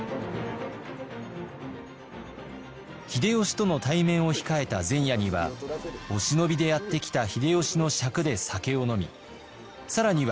秀吉との対面を控えた前夜にはお忍びでやって来た秀吉の酌で酒を飲み更には秀吉の弟秀長と同じ正三位権